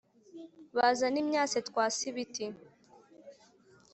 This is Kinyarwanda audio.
Bazane imyase twase ibiti